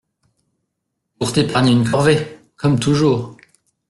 Pour t’épargner une corvée !… comme toujours !…